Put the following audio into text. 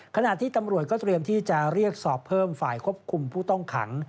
ขณะที่ตำรวจก็เตรียมที่จะเรียกสอบเพิ่มฝ่ายควบคุมผู้ต้องขัง